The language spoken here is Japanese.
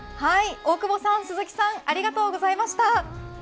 大久保さん、鈴木さんありがとうございました。